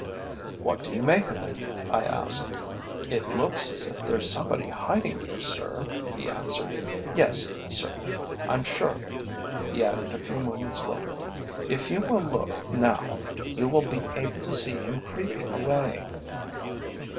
"What do you make of it?" I asked. "It looks as if there's somebody hiding there, sir," he answered. "Yes, sir, I'm sure of it," he added a few moments later. "If you will look now, you will be able to see him creeping away."